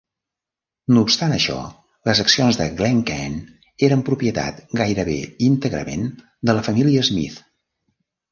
No obstant això, les accions de Glencairn eren propietat gairebé íntegrament de la família Smith.